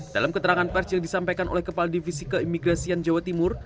dalam keterangan pers yang disampaikan oleh kepala divisi keimigrasian jawa timur